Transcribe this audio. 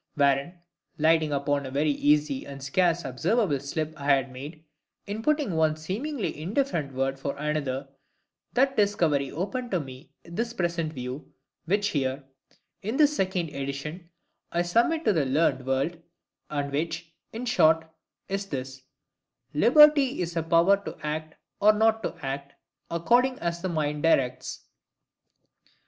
Wherein lighting upon a very easy and scarce observable slip I had made, in putting one seemingly indifferent word for another that discovery opened to me this present view, which here, in this second edition, I submit to the learned world, and which, in short, is this: LIBERTY is a power to act or not to act, according as the mind directs.